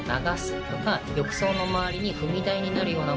浴槽の周りに。